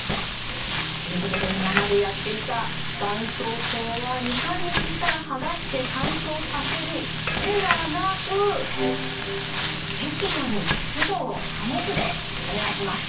ということで今までやっていた「ばんそうこうは２３日したらはがして乾燥させる」ではなく「適度に湿度を保つ」でお願いします。